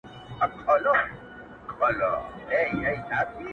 ويل زه يوه مورکۍ لرم پاتيږي٫